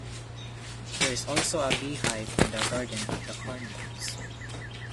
There is also a beehive in the garden at the Cornerhouse.